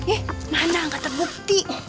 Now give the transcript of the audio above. ih mana ga terbukti